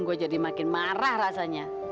gue jadi makin marah rasanya